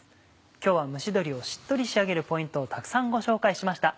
今日は蒸し鶏をしっとり仕上げるポイントをたくさんご紹介しました。